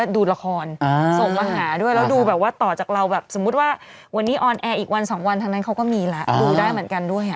ดูละครส่งมาหาด้วยแล้วดูแบบว่าต่อจากเราแบบสมมุติว่าวันนี้ออนแอร์อีกวันสองวันทั้งนั้นเขาก็มีแล้วดูได้เหมือนกันด้วย